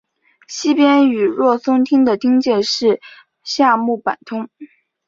西边与若松町的町界是夏目坂通。